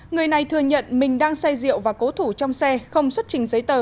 người này thừa nhận mình đang say rượu và cố thủ trong xe không xuất trình giấy tờ